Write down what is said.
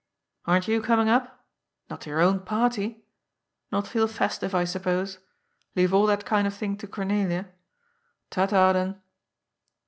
Aren't you coming up ? Not to your own party ? Not feel festive, I suppose? Leave all that kind of thing to Cornelia? Ta, ta, then."